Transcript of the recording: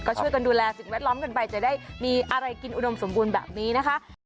ก็ช่วยกันดูแลสิ่งแวดล้อมกันไปจะได้มีอะไรกินอุดมสมบูรณ์แบบนี้นะคะ